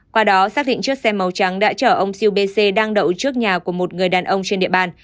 qua đó xác định chiếc xe màu trắng đã chở ông siêu b c đang đậu trước nhà của một người đàn ông trên địa bàn